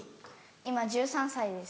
今１３歳です。